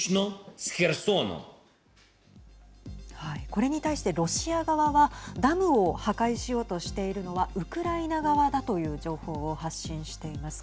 これに対してロシア側はダムを破壊しようとしているのはウクライナ側だという情報を発信しています。